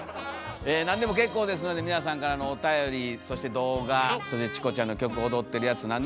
何でも結構ですので皆さんからのおたよりそして動画そしてチコちゃんの曲踊ってるやつ。